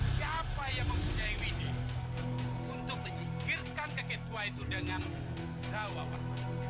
siapa yang mempunyai widi untuk mengikirkan kakek tua itu dengan dewa warman